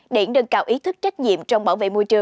điện đơn cao ý thức trách nhiệm trong bảo vệ